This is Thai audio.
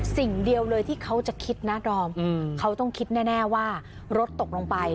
สิ่งเดียวเลยที่เขาจะคิดนะดอมเขาต้องคิดแน่ว่ารถตกลงไป